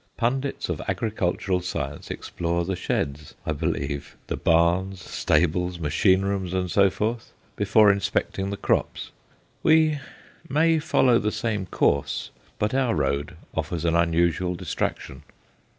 Pundits of agricultural science explore the sheds, I believe, the barns, stables, machine rooms, and so forth, before inspecting the crops. We may follow the same course, but our road offers an unusual distraction.